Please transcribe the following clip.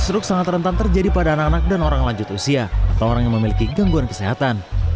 struk sangat rentan terjadi pada anak anak dan orang lanjut usia atau orang yang memiliki gangguan kesehatan